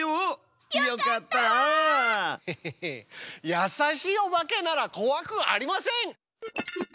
やさしいオバケならこわくありません！